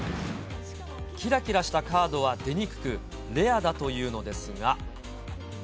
きらきらしたカードは出にくく、レアだというのですが。